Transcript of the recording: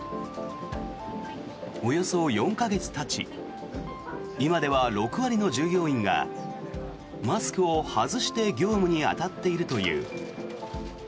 およそ４か月たち今では６割の従業員がマスクを外して業務に当たっているという。